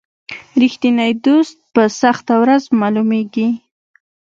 رښتینی دوست په سخته ورځ معلومیږي.